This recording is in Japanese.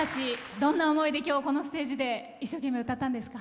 どんな思いで、今日のステージ一生懸命歌ったんですか？